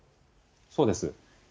そうです。